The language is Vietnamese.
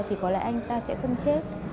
thì có lẽ anh ta sẽ không chết